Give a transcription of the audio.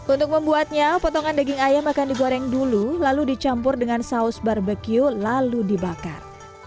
untuk membuatnya potongan daging ayam akan digoreng dulu lalu dicampur dengan saus barbecue lalu dibakar